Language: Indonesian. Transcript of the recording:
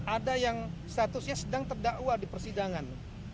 ada yang statusnya sedang terdakwa di persidangan